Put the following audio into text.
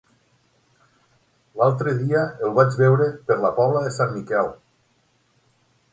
L'altre dia el vaig veure per la Pobla de Sant Miquel.